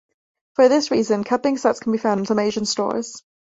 For this reason, cupping sets can be found in some Asian stores.